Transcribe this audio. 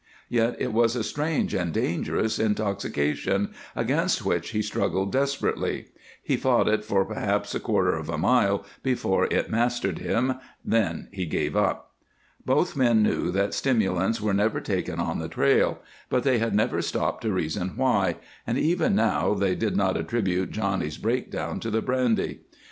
Yet it was a strange and dangerous intoxication, against which he struggled desperately. He fought it for perhaps a quarter of a mile before it mastered him; then he gave up. Both men knew that stimulants are never taken on the trail, but they had never stopped to reason why, and even now they did not attribute Johnny's breakdown to the brandy.